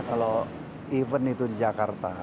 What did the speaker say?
kalau event itu di jakarta